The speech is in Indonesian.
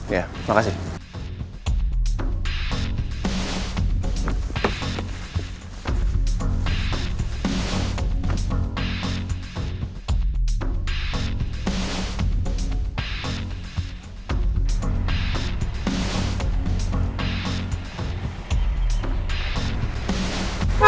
iya terima kasih